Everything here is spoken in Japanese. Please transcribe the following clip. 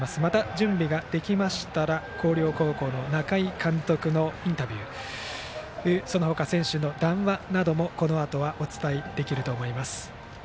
準備ができましたら広陵高校の中井監督のインタビューその他、選手の談話などもこのあとはお伝えできるかと思います。